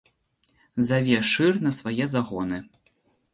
Заве шыр на свае загоны.